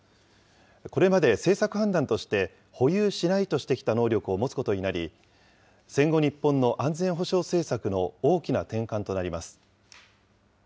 これまで政策判断として、保有しないとしてきた能力を持つことになり、戦後日本の安全保障政策の大きな転換となります。